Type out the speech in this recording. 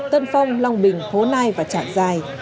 tân phong long bình hồ nai và trạng giài